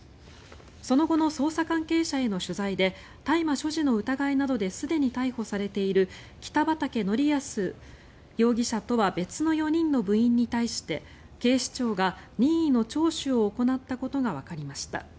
その後の捜査関係者への取材で大麻所持の疑いなどですでに逮捕されている北畠成文容疑者とは別の４人の部員に対して警視庁が任意の聴取を行ったことがわかりました。